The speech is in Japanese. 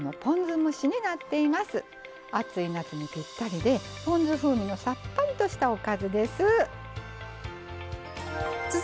暑い夏にぴったりでポン酢風味のさっぱりとしたおかずです。